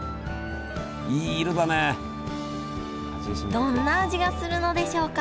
どんな味がするのでしょうか？